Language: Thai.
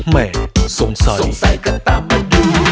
แหมสงสัยสงสัยก็ตามมาดู